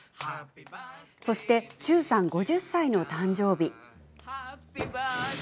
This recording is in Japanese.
そして忠さん５０歳の誕生日。